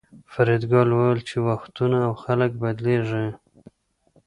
فریدګل وویل چې وختونه او خلک بدلیږي